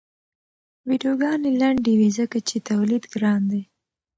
ویډیوګانې لنډې وي ځکه چې تولید ګران دی.